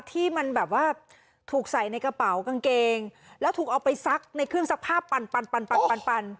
ที่มันแบบว่าถูกใส่ในกระเป๋ากางเกงแล้วถูกเอาไปซักในเครื่องสภาพปั่นปั่นปั่นปั่นปั่นปั่น